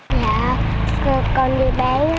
dạ con đi bán